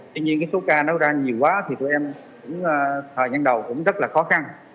tuy nhiên cái số ca nó ra nhiều quá thì tụi em cũng thời gian đầu cũng rất là khó khăn